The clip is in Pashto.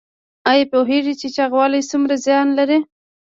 ایا پوهیږئ چې چاغوالی څومره زیان لري؟